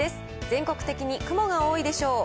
全国的に雲が多いでしょう。